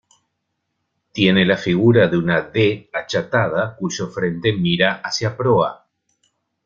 Tiene la figura de una D achatada cuyo frente mira hacia proa.